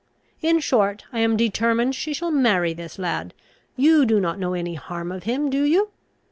In short, I am determined she shall marry this lad: you do not know any harm of him, do you?